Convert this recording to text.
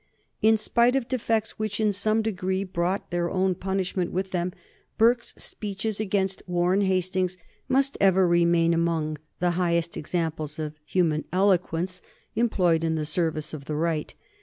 In spite of defects which in some degree brought their own punishment with them, Burke's speeches against Warren Hastings must ever remain among the highest examples of human eloquence employed in the service of the right.